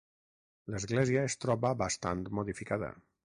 L'església es troba bastant modificada.